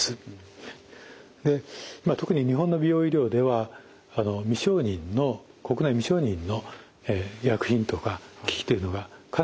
特に日本の美容医療では国内未承認の医薬品とか機器っていうのがかなり多く使われてます。